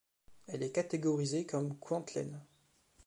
Elle est catégorisée comme Kwantlen.